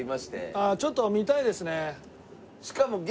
ああちょっと見たいですね。